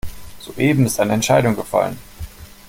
Soeben ist eine Entscheidung gefallen.